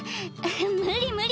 無理無理！